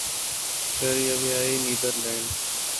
کریبیائی Netherlands